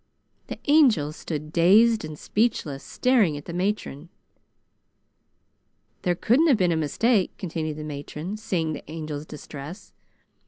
The Angel stood dazed and speechless, staring at the matron. "There couldn't have been a mistake," continued the matron, seeing the Angel's distress.